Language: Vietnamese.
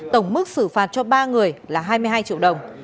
tổng mức xử phạt cho ba người là hai mươi hai triệu đồng